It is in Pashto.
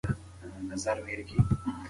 انټرنیټ د پوهې خزانه ده چې پای نه لري.